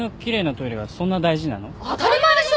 当たり前でしょ！